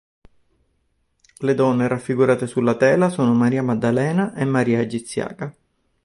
Le donne raffigurate sulla tela sono Maria Maddalena e Maria Egiziaca.